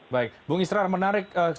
baik bung israr menarik